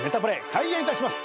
開演いたします。